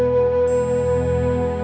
tidak ada yang bisa dikira itu kan